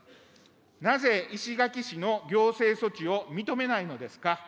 なぜ石垣市の行政措置を認めないのですか。